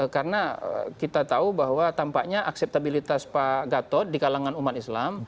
karena kita tahu bahwa tampaknya akseptabilitas pak gatot di kalangan umat islam